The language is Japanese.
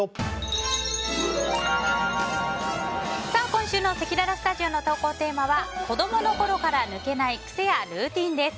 今週のせきららスタジオの投稿テーマは子供の頃から抜けない癖やルーティンです。